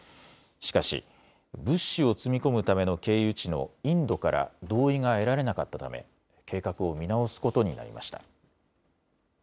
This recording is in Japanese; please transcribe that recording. しかし、物資を積み込むための経由地のインドから同意が得られなかったため計画を見直すことになりました。